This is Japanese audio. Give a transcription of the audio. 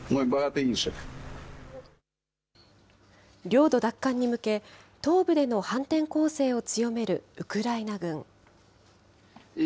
領土奪還に向け、東部での反転攻勢を強めるウクライナ軍。